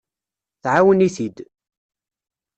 Tɛawen-it-id.